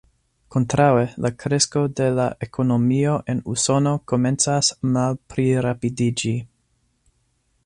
Kontraŭe la kresko de la ekonomio en Usono komencas malplirapidiĝi.